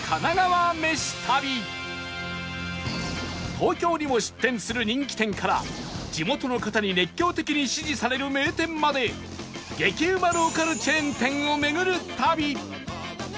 東京にも出店する人気店から地元の方に熱狂的に支持される名店まで激うまローカルチェーン店を巡る旅！